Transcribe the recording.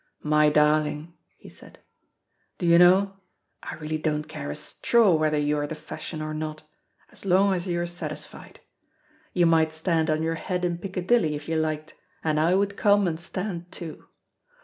"My darling," he said, "do you know, I really don't care a straw whether you are the fashion or not, as long as you are satisfied. You might stand on your head in Piccadilly if you liked, and I would come and stand too.